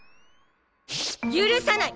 許さない！